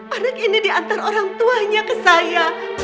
anak ini diantar orang tuanya ke saya